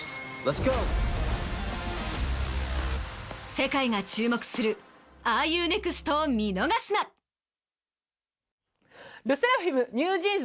世界が注目する『ＲＵＮｅｘｔ？』を見逃すな！ＬＥＳＳＥＲＡＦＩＭＮｅｗＪｅａｎｓ